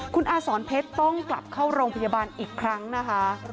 คุณอาสอนเพชรต้องกลับเข้าโรงพยาบาลอีกครั้งนะคะ